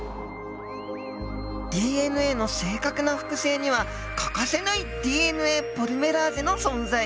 ＤＮＡの正確な複製には欠かせないＤＮＡポリメラーゼの存在。